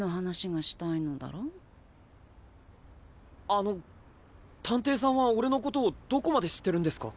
あの探偵さんは俺のことをどこまで知ってるんですか？